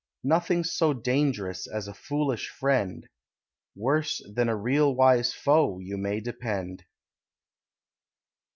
Nothing's so dangerous as a foolish friend; Worse than a real wise foe, you may depend.